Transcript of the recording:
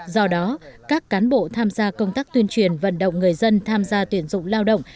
do đó các cán bộ tham gia công tác tuyên truyền vận động người dân tham gia tuyển dụng lao động